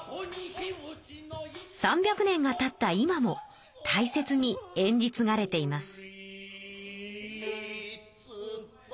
３００年がたった今もたいせつに演じ継がれています。